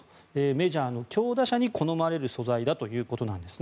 メジャーの強打者に好まれる素材だということです。